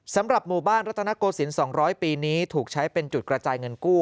สำหรับหมู่บ้านรัตนโกศิลป๒๐๐ปีนี้ถูกใช้เป็นจุดกระจายเงินกู้